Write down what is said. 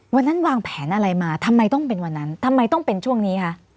วันนั้นวางแผนอะไรมาทำไมต้องเป็นวันนั้นทำไมต้องเป็นช่วงนี้คะ